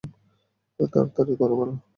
আমাদের তাড়াতাড়ি করা ভাল।